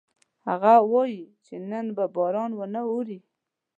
هغه وایي چې نن به باران ونه اوري